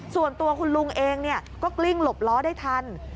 ส่วนตัวคุณลุงเองก็กลิ้งหลบล้อได้ทัน